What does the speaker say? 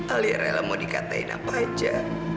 alia rela mau dikatakan apa aja